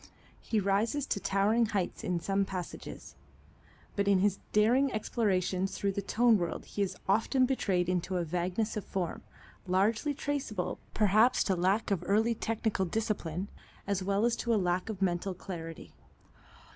He rises to towering heights in some passages, but in his daring explorations through the tone world he is often betrayed into a vagueness of form, largely traceable perhaps to lack of early technical discipline, as well as to lack of mental clarity.